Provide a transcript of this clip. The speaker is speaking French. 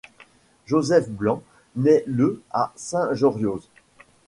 Joseph Blanc nait le à Saint-Jorioz.